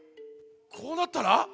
こうなったらえっ？